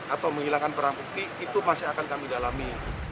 atau menghilangkan perang bukti itu masih akan kami dalami